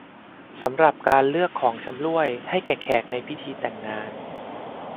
สำหรับการเลือก ของชำร่วย ให้แก่แขกในพิธีแต่งงาน